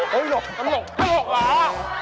ตั้งหลกตั้งหลกหรอ